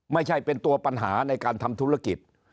ไม่ใช่เป็นตัวปัญหาในการทำธุรกิจ